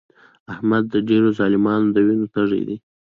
احمد د ډېرو ظالمانو د وینو تږی دی.